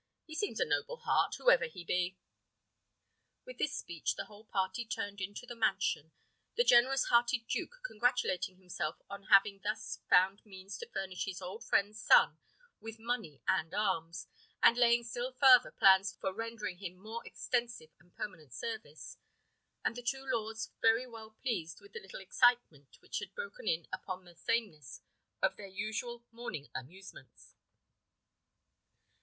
He seems a noble heart, whoever he be." With this speech the whole party turned into the mansion; the generous hearted duke congratulating himself on having thus found means to furnish his old friend's son with money and arms, and laying still farther plans for rendering him more extensive and permanent service, and the two lords very well pleased with the little excitement which had broken in upon the sameness of their usual morning amusements.